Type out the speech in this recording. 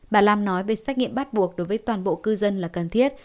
bà lam nói về xét nghiệm bắt buộc đối với toàn bộ cư dân là cần thiết